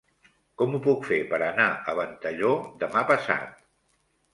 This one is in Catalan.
Com ho puc fer per anar a Ventalló demà passat?